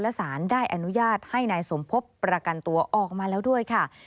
และสารได้อนุญาตให้นายสมพบประกันตัวออกมาแล้วด้วยค่ะ